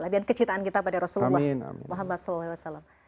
dan kecintaan kita kepada rasulullah